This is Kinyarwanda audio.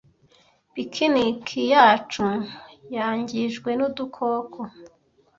Picnic yacu yangijwe nudukoko.